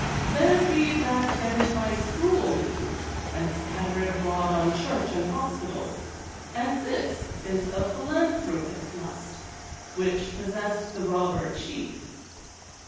There be that get it by cruel means and scatter it abroad on church and hospital, and this is the philanthropist's lust, which possessed the Robber Chief.